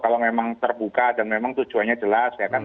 kalau memang terbuka dan memang tujuannya jelas ya kan